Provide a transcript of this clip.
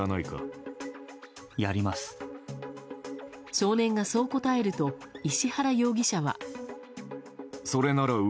少年がそう答えると石原容疑者は。